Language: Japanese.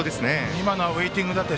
今のはウエイティングでした。